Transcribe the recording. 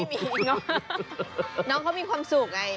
น้องเขามีความสุขไง